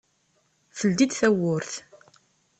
Teldi-d tawwurt.